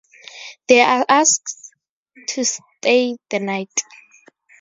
They are asked to stay the night.